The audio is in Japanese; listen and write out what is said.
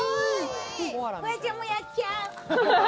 フワちゃんもやっちゃう！